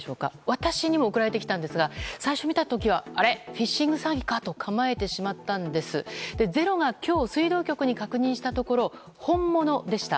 私にも送られてきたんですが最初、見た時はあれ、フィッシング詐欺かと構えてしまったんですが「ｚｅｒｏ」が今日水道局に確認したところ本物でした。